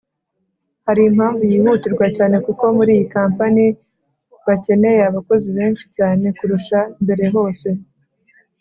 hari impamvu yihutirwa cyane kuko muriyi kampani bakeneye abakozi benshi cyane kurusha mbere hose